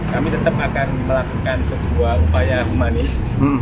kami tetap akan melakukan sebuah upaya humanis